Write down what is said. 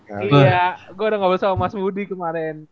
iya gue udah ngobrol sama mas budi kemarin